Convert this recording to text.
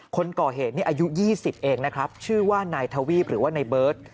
คนก่อเหตุนี้อายุ๒๐เองนะครับชื่อว่านายทวีปหรือว่านายเบิร์ต